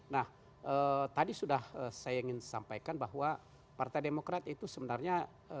nah tadi sudah saya ingin sampaikan bahwa partai demokrat itu sebenarnya